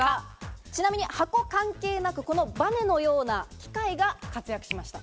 ちなみに箱は関係なく、バネのような機械が活躍しました。